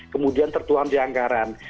kemudian tertuan di anggaran